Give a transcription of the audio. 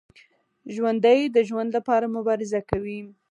ژوندي د ژوند لپاره مبارزه کوي